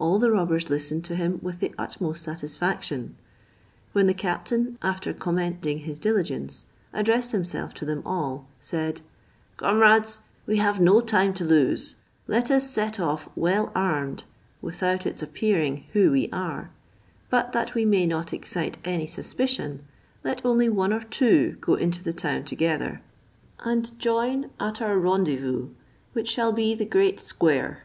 All the robbers listened to him with the utmost satisfaction; when the captain, after commending his diligence, addressing himself to them all, said, "Comrades, we have no time to lose: let us set off well armed, without its appearing who we are; but that we may not excite any suspicion, let only one or two go into the town together, and join at our rendezvous, which shall be the great square.